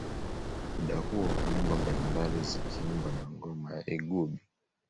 Muda huo nyimbo mbalimbali zikiimbwa na ngoma ya igubi